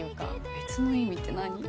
別の意味って何？